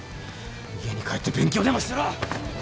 家に帰って勉強でもしてろ。